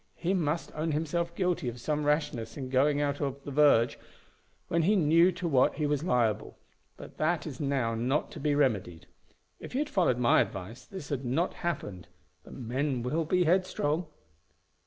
He must own himself guilty of some rashness in going out of the verge, when he knew to what he was liable; but that is now not to be remedied. If he had followed my advice this had not happened; but men will be headstrong."